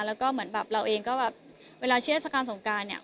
แล้วก็เหมือนแบบเราเองก็แบบเวลาเทศกาลสงการเนี่ย